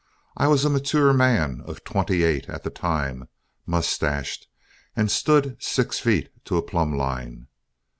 I was a mature man of twenty eight at the time, mustached, and stood six feet to a plumb line.